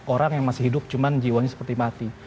orang yang masih hidup cuma jiwanya seperti mati